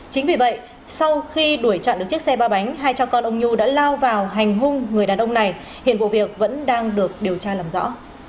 chính vì vậy sau khi đuổi chặn được chiếc xe ba bánh hai cha con ông nhu đã lao vào hành hung người đàn ông này hiện vụ việc vẫn đang được điều tra làm rõ